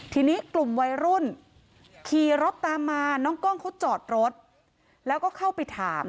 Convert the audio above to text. ทีนี้กลุ่มวัยรุ่นขี่รถตามมาน้องกล้องเขาจอดรถแล้วก็เข้าไปถาม